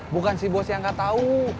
bukan si bos yang gak tau